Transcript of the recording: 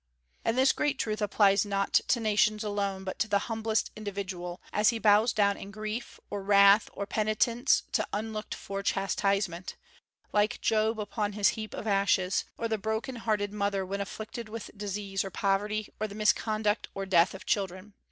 And this great truth applies not to nations alone, but to the humblest individual, as he bows down in grief or wrath or penitence to unlooked for chastisement, like Job upon his heap of ashes, or the broken hearted mother when afflicted with disease or poverty, or the misconduct or death of children.